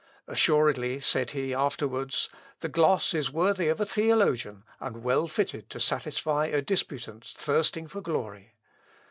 "Assuredly," said he, afterwards, "the gloss is worthy of a theologian, and well fitted to satisfy a disputant thirsting for glory.